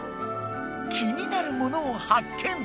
気になるものを発見！